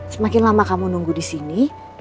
semakin lama kamu nunggu di sini